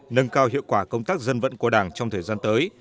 nâng cao hiệu quả công tác dân vận của đảng trong thời gian tới